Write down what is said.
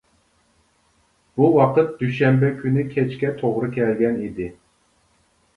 بۇ ۋاقىت دۈشەنبە كۈنى كەچكە توغرا كەلگەن ئىدى.